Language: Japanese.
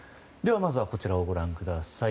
まずはこちらご覧ください。